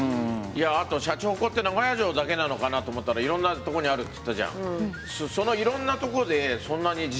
あとシャチホコって名古屋城だけなのかなと思ったらいろんなとこにあるっつったじゃん。